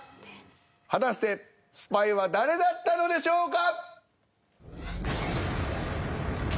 果たしてスパイは誰だったのでしょうか？